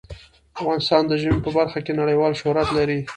افغانستان د ژمی په برخه کې نړیوال شهرت لري.